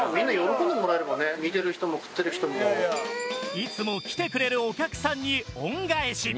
いつも来てくれるお客さんに恩返し。